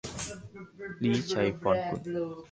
ลี้ชัยพรกุล